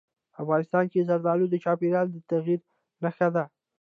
افغانستان کې زردالو د چاپېریال د تغیر نښه ده.